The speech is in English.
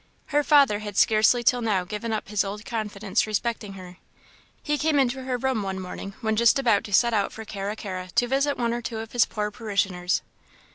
Her father had scarcely till now given up his old confidence respecting her. He came into her room one morning when just about to set out for Carra carra to visit one or two of his poor parishioners.